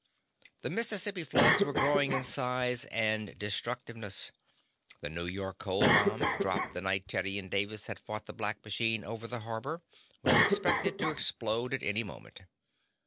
The Mississippi floods were growing in size and destructiveness. The New York cold bomb, dropped the night Teddy and Davis had fought the black machine over the harbor, was expected to explode at any moment.